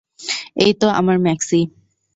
এইতো আমার ম্যাক্সি।